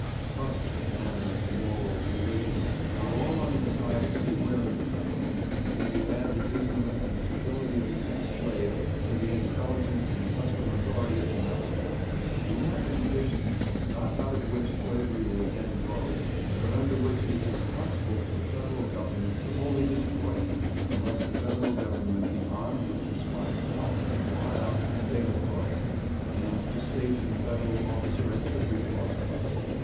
Custom, manners, morals, religion, are all on its side everywhere in the South; and when you add the ignorance and servility of the ex slave to the intelligence and accustomed authority of the master, you have the conditions, not out of which slavery will again grow, but under which it is impossible for the Federal government to wholly destroy it, unless the Federal government be armed with despotic power, to blot out State authority, and to station a Federal officer at every cross road.